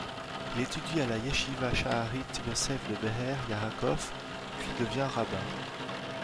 Il étudie à la yechiva Sha'arit Yosef de Be'er Ya'akov puis devient rabbin.